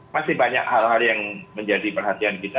masih banyak hal hal yang menjadi perhatian kita